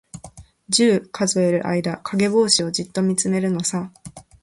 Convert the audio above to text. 十、数える間、かげぼうしをじっとみつめるのさ。